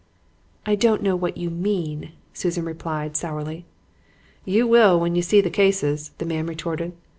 "'I don't know what you mean,' Susan replied, sourly. "'You will when you see the cases,' the man retorted.